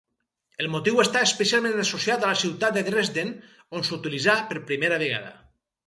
El motiu està especialment associat a la ciutat de Dresden, on s'utilitzà per primera vegada.